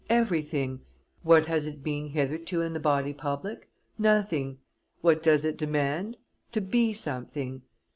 Everything. What has it been hitherto in the body politic? Nothing. What does it demand? To be something.